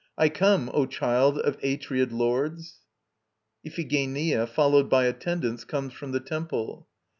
I come, O child of Atreid Lords. [IPHIGENIA, followed by ATTENDANTS, comes from the Temple.